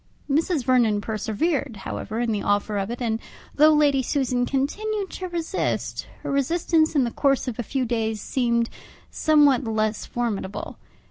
Mrs. Vernon persevered, however, in the offer of it, and though Lady Susan continued to resist, her resistance in the course of a few days seemed somewhat less formidable.